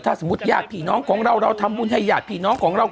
ถ้าสมมุติญาติพี่น้องของเราเราทำบุญให้ญาติพี่น้องของเรา